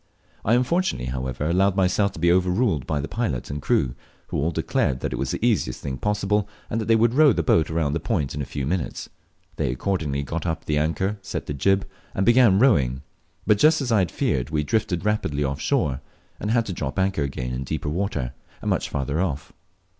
I unfortunately, however, allowed myself to be overruled by the pilot and crew, who all declared that it was the easiest thing possible, and that they would row the boat round the point in a few minutes. They accordingly got up the anchor, set the jib, and began rowing; but, just as I had feared, we drifted rapidly off shore, and had to drop anchor again in deeper water, and much farther off.